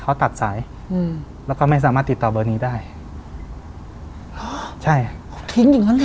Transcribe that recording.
เขาตัดสายอืมแล้วก็ไม่สามารถติดต่อเบอร์นี้ได้ใช่ทิ้งอย่างงั้นเลย